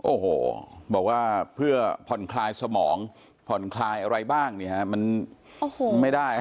โอ้โหบอกว่าเพื่อผ่อนคลายสมองผ่อนคลายอะไรบ้างมันไม่ได้